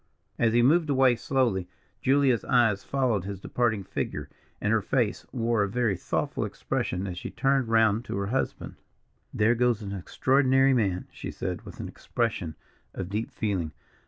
As he moved away slowly, Julia's eyes followed his departing figure, and her face wore a very thoughtful expression, as she turned round to her husband. "There goes an extraordinary man," she said, with an expression of deep feeling.